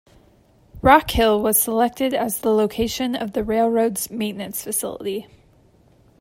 Rockhill was selected as the location of the railroad's maintenance facility.